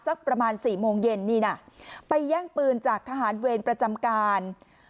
สักประมาณ๔โมงเย็นนี่น่ะไปแย่งปืนจากทหารเวรประจำการ